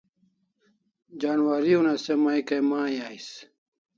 Janwari una se mai kai mai ais